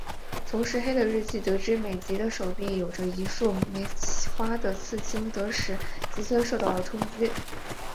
从石黑的日记得知美几的手臂有着一束梅花的刺青使得吉村受到了冲击。